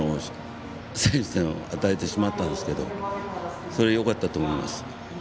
先取点を与えてしまったんですがそれで、よかったと思います。